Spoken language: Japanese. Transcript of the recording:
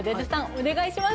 お願いします。